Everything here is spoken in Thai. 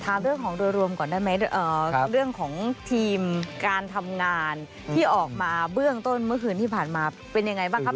ถามเรื่องของโดยรวมก่อนได้ไหมเรื่องของทีมการทำงานที่ออกมาเบื้องต้นเมื่อคืนที่ผ่านมาเป็นยังไงบ้างครับ